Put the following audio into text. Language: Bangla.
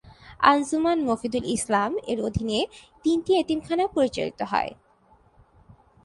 আঞ্জুমান মুফিদুল ইসলাম এর অধীনে তিনটি এতিমখানা পরিচালিত হয়।